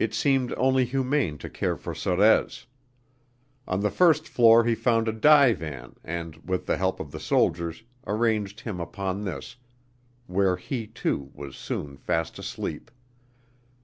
It seemed only humane to care for Sorez. On the first floor he found a divan and, with the help of the soldiers, arranged him upon this, where he, too, was soon fast asleep.